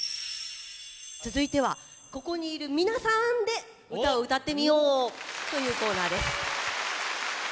続いてはここにいる皆さんで歌を歌ってみようというコーナーです。